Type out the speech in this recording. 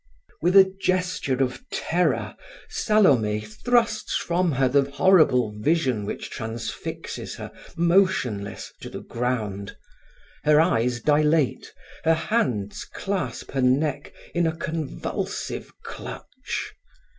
With a gesture of terror, Salome thrusts from her the horrible vision which transfixes her, motionless, to the ground. Her eyes dilate, her hands clasp her neck in a convulsive clutch.